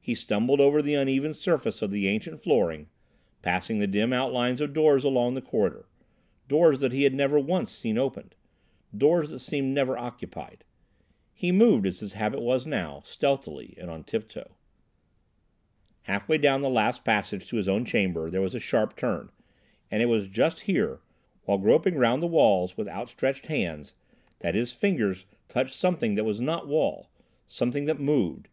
He stumbled over the uneven surface of the ancient flooring, passing the dim outlines of doors along the corridor—doors that he had never once seen opened—rooms that seemed never occupied. He moved, as his habit now was, stealthily and on tiptoe. Half way down the last passage to his own chamber there was a sharp turn, and it was just here, while groping round the walls with outstretched hands, that his fingers touched something that was not wall—something that moved.